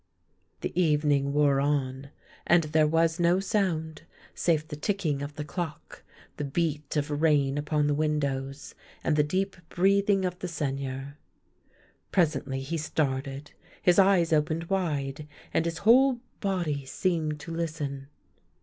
" The evening wore on, and there was no sound, save the ticking of the clock, the beat of rain upon the windows, and the deep breathing of the Seigneur. Presently he started, his eyes opened wide, and his whole body seemed to listen.